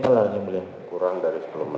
kurang dari sepuluh menit